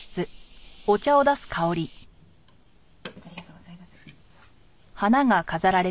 ありがとうございます。